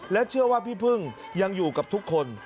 เชื่อว่าพี่พึ่งยังอยู่กับทุกคน